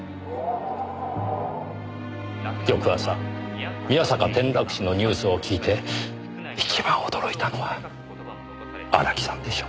翌朝宮坂転落死のニュースを聞いて一番驚いたのは荒木さんでしょう。